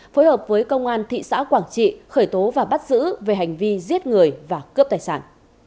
phối hợp với công an thị xã quảng trị khởi tố và bắt giữ về hành vi giết người và cướp tài sản